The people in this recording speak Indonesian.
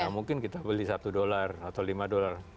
ya mungkin kita beli satu dolar atau lima dolar